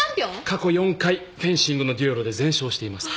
過去４回フェンシングの決闘で全勝しています。